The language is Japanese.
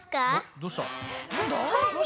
どうした？